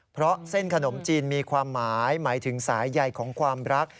เพราะเส้นขนมจีนมีความหมายหมายถึงสายใยของความรัก